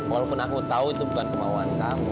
walaupun aku tahu itu bukan kemauan kamu